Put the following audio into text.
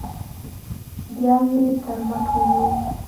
بيا يې تر مټ ونيوم.